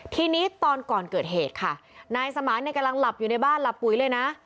ทีนี้ตอนก่อนเกิดเหตุค่ะนายสมานเนี่ยกำลังหลับอยู่ในบ้านหลับปุ๋ยเลยนะ